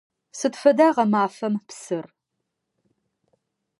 Сыд фэда гъэмафэм псыр?